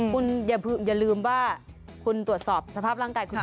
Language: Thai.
คุณอย่าลืมว่าคุณตรวจสอบสภาพร่างกายคุณ